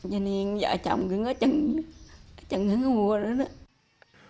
vậy nên vợ chồng cứ ngói chân ngói chân ngói mùa nữa đó